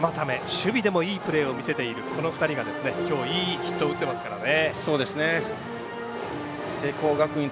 守備でもいいプレーを見せているこの２人が今日いいヒットを打ってますからね。